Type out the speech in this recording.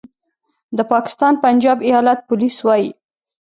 د پاکستان پنجاب ایالت پولیس وايي